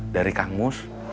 dari kang mus